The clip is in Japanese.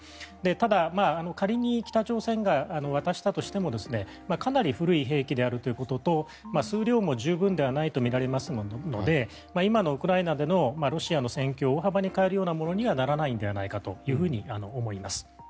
ただ、仮に北朝鮮が渡したとしてもかなり古い兵器であることと数量も十分ではないとみられますので今のウクライナでのロシアの戦況を大幅に変えるようなものにはならないのではないかと思います。